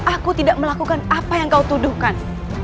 aku tidak melakukan apa yang kau tuduhkan